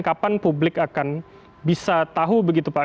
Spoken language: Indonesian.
kapan publik akan bisa tahu begitu pak